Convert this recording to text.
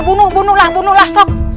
bunuh bunuhlah bunuhlah sok